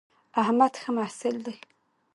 احمد ښه محصل دی